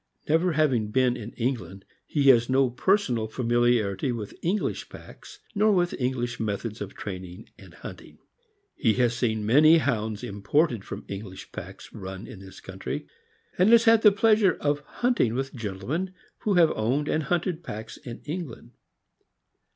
Never having been in England, he has no personal familiarity with English packs, nor with English methods of training and hunting. He has seen many Hounds imported from English packs run in this country, and has had the pleasure of hunting with gentlemen who have owned and hunted packs in England.